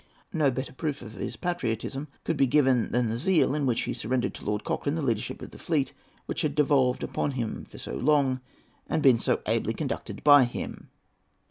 No better proof of his patriotism could be given than in the zeal with which he surrendered to Lord Cochrane the leadership of the fleet which had devolved upon him for so long and been so ably conducted by him.